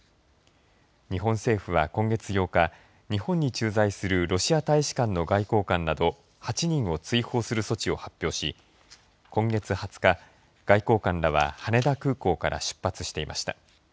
日本政府は今月８日日本に駐在するロシア大使館の外交官など８人を追放する措置を発表し今月２０日外交官らは羽田空港から出発していました。